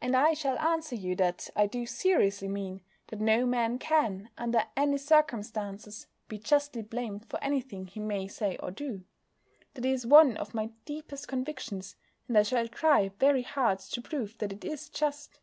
And I shall answer you that I do seriously mean that no man can, under any circumstances, be justly blamed for anything he may say or do. That is one of my deepest convictions, and I shall try very hard to prove that it is just.